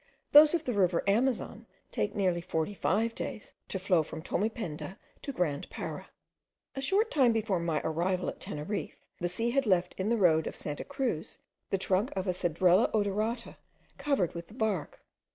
Those of the river Amazon take nearly forty five days to flow from Tomependa to Grand Para. A short time before my arrival at Teneriffe, the sea had left in the road of Santa Cruz the trunk of a cedrela odorata covered with the bark.